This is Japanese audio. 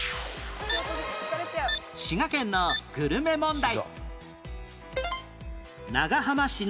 滋賀県のグルメ問題